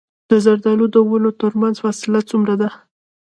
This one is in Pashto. د زردالو د ونو ترمنځ فاصله څومره وي؟